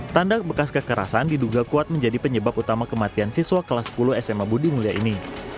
tanda bekas kekerasan diduga kuat menjadi penyebab utama kematian siswa kelas sepuluh sma budi mulia ini